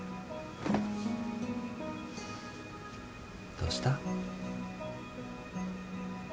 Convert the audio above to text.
どうした？